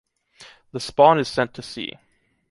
The spawn is sent to sea.